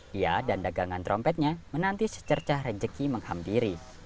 dia dan dagangan trompetnya menanti secercah rejeki menghampiri